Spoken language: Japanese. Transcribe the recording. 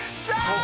さあ